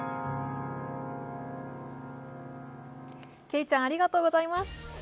けいちゃんありがとうございます。